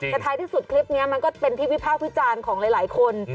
แต่ท้ายที่สุดคลิปนี้มันก็เป็นที่วิพากษ์วิจารณ์ของหลายคน